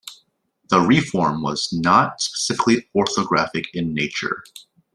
The reform was not specifically orthographic in nature.